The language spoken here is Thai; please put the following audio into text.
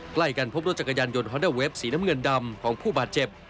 ใกล้กันพบรถจักรยานยนต์ฮอนด้าเวฟสีน้ำเงินดำของผู้บาดเจ็บ